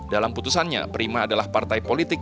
dalam putusannya prima adalah partai politik